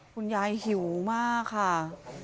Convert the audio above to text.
คุณยายหิวมากค่ะ